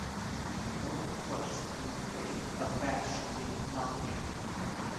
Before first being played, a bat should be "knocked in".